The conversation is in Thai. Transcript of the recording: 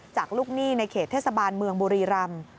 จากลูกหนี้ในเขตเทศบาลเมืองบุรีรำ